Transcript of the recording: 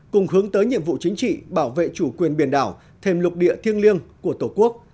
cùng hướng tới nhiệm vụ chính trị bảo vệ chủ quyền biển đảo thêm lục địa thiêng liêng của tổ quốc